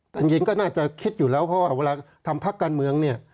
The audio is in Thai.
แต่จริงก็น่าจะคิดอยู่แล้วเพราะว่าเวลาทำพักการเมืองเนี่ย